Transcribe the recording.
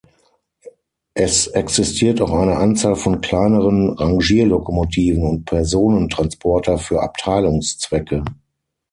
Es existiert auch eine Anzahl von kleineren Rangierlokomotiven und Personentransporter für Abteilungszwecke.